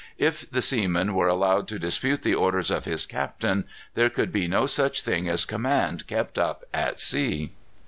If the seaman were allowed to dispute the orders of his captain, there could be no such thing as command kept up at sea."